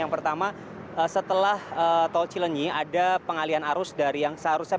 yang pertama setelah tol cilenyi ada pengalian arus dari yang seharusnya